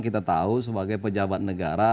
kita tahu sebagai pejabat negara